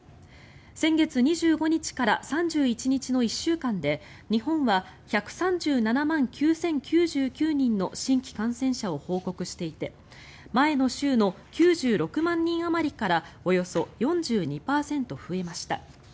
先月２５日から３１日の１週間で日本は１３７万９０９９人の新規感染者を報告していて前の週の９６万人あまりからおよそ４２％増えました。